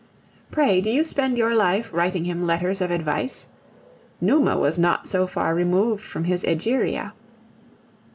Pray, do you spend your life writing him letters of advice? Numa was not so far removed from his Egeria.